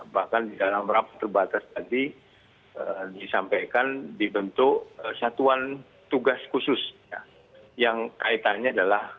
bahkan di dalam rapat terbatas tadi disampaikan dibentuk satuan tugas khusus yang kaitannya adalah